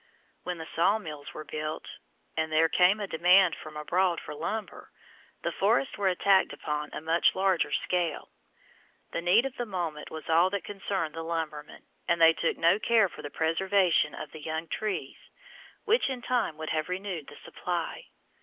When the sawmills were built and there came a demand from abroad for lumber, the forests were attacked upon a much larger scale. The need of the moment was all that concerned the lumbermen, and they took no care for the preservation of the young trees, which in time would have renewed the supply.